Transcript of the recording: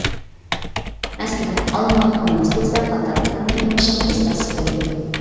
مەسىلەن: ئالما، بانان، سەۋزە قاتارلىقلارنى يۇمشاق ئېزىپ بەرسە بولىدۇ.